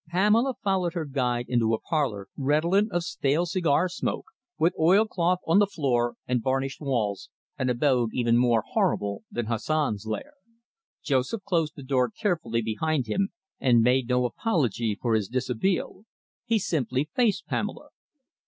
Pamela followed her guide into a parlour, redolent of stale cigar smoke, with oilcloth on the floor and varnished walls, an abode even more horrible than Hassan's lair. Joseph closed the door carefully behind him, and made no apology for his dishabille. He simply faced Pamela.